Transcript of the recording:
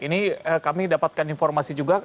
ini kami dapatkan informasi juga